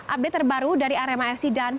update terbaru dari arema fc dan pbfc